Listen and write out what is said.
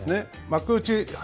幕内